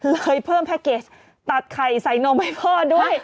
เลยเพิ่มแพ็กเกจตัดไข่ใส่นมให้พ่อด้วย